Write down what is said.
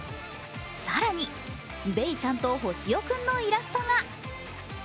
更に、ベイちゃんとホシオくんのイラストが。